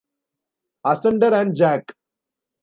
Asunder and Jack!